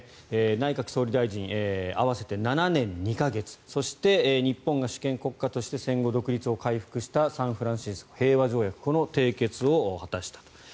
内閣総理大臣合わせて７年２か月そして、日本が主権国家として戦後、独立を回復したサンフランシスコ平和条約の締結を果たしたと。